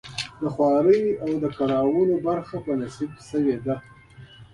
د خواریو او کړاوونو برخه په نصیب شوې ده.